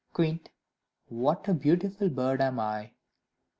Kywitt! what a beautiful bird am I!"